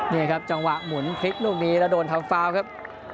นี่ครับจังหวะหมุนพลิกลูกนี้แล้วโดนทำฟาวครับ